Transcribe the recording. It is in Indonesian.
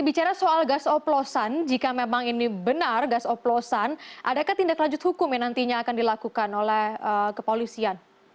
bicara soal gas oplosan jika memang ini benar gas oplosan adakah tindak lanjut hukum yang nantinya akan dilakukan oleh kepolisian